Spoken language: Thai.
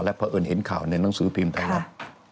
และเพราะเอิญเห็นข่าวในหนังสือพิมพ์เท่านั้น